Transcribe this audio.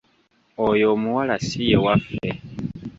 Oyo omuwala si ye waffe.